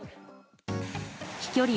飛距離